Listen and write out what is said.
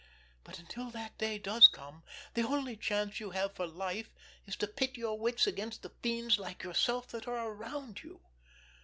But until that day does come the only chance you have for life is to pit your wits against the fiends like yourself that are around you.